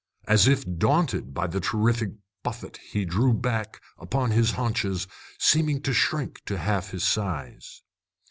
As if daunted by the terrific buffet he drew back, upon his haunches, seeming to shrink to half his size.